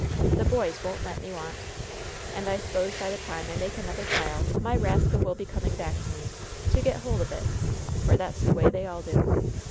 The boys won't let me want! And I s'pose by the time I make another pile my rascal will be coming back to me, to get hold of it! For that's the way they all do!